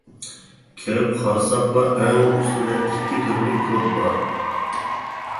كىرىپ قارىساقلا ئەڭ ئۈستىدە ئىككى تۈرلۈك كود بار.